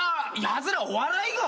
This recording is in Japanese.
やつらお笑いか？